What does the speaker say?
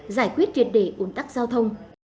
giải quyết triệt địa ủng tắc giao thông